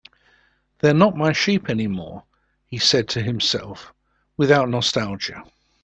"They're not my sheep anymore," he said to himself, without nostalgia.